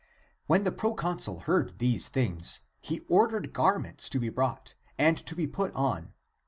When the proconsul heard these things he ordered garments to be brought, and to be put on.